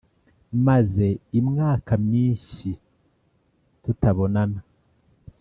Maze imwaka myishyi tutabonana